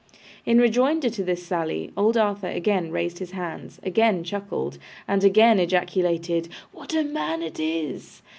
In rejoinder to this sally, old Arthur again raised his hands, again chuckled, and again ejaculated 'What a man it is!